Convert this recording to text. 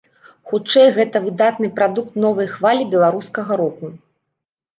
Хутчэй гэта выдатны прадукт новай хвалі беларускага року.